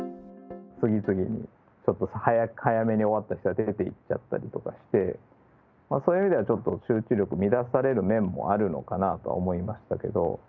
次々に早めに終わった人が出て行っちゃったりとかして、そういう意味ではちょっと集中力乱される面もあるのかなと思いましたけど。